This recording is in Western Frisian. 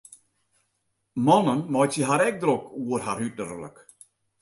Mannen meitsje har ek drok oer har uterlik.